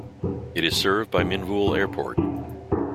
It is served by Minvoul Airport.